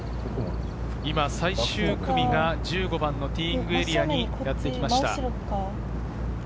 最終組が１５番のティーイングエリアにやってきました。